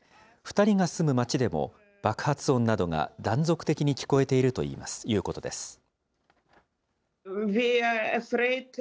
２人が住む町でも、爆発音などが断続的に聞こえているということです。